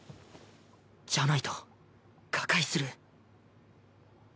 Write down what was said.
じゃないと瓦解する。